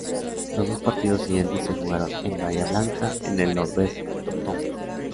Los dos partidos siguientes se jugaron en Bahía Blanca, en el Norberto Tomás.